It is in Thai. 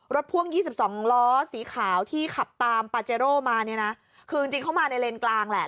พ่วง๒๒ล้อสีขาวที่ขับตามปาเจโร่มาเนี่ยนะคือจริงจริงเข้ามาในเลนกลางแหละ